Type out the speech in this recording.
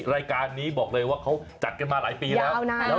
รายการนี้บอกเลยว่าเขาจัดกันมาหลายปีแล้ว